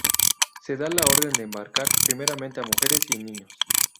Se da la orden de embarcar primeramente a mujeres y niños.